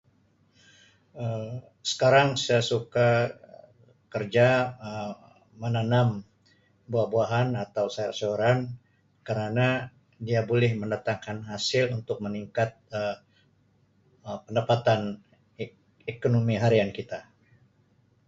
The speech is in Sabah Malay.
Um Sekarang saya suka kerja Um menanam buah-buahan atau sayur-sayuran kerana dia boleh mendatangkan hasil untuk meningkat Um pendapatan e-ekonomi harian kita.